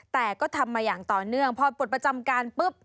แต่ก็ทำมาอย่างต่อเนื่องพอปลดประจำการปุ๊บ